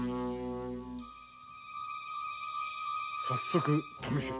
早速試せ。